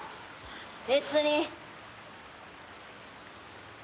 別に。